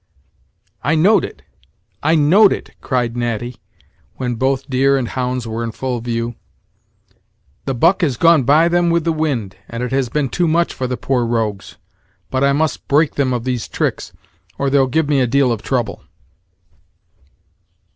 "I knowed it I knowed it!" cried Natty, when both deer and hounds were in full view; "the buck has gone by them with the wind, and it has been too much for the poor rogues; but I must break them of these tricks, or they'll give me a deal of trouble.